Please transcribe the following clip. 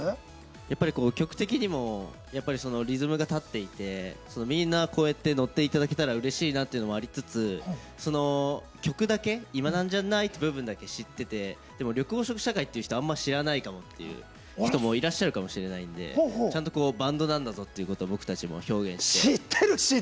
やっぱり曲的にもリズムが立っていてみんな乗っていただけたらうれしいなというのもありつつその曲だけ「今なんじゃない」って部分だけ知ってて緑黄色社会知らない方もいらっしゃるかもしれないのでちゃんと、バンドなんだぞと僕たちも表現して。